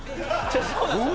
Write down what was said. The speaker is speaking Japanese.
そうなんですよ